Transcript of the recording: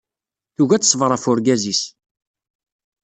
Tugi ad teṣber ɣef wergaz-is.